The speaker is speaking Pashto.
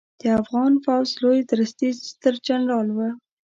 د افغان پوځ لوی درستیز سترجنرال و